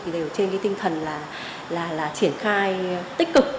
đều trên tinh thần là triển khai tích cực